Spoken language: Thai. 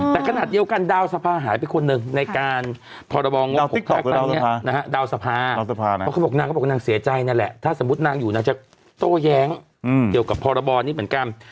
เพราะเขาบอกนางเขาบอกนางเสียใจนั่นแหละถ้าสมมุตินางอยู่นางจะโต้แย้งเดียวกับพรบรนี่เหมือนกัน